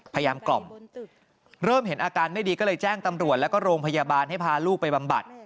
กล่อมเริ่มเห็นอาการไม่ดีก็เลยแจ้งตำรวจแล้วก็โรงพยาบาลให้พาลูกไปบำบัด